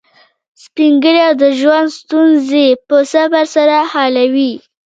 سپین ږیری د ژوند ستونزې په صبر سره حلوي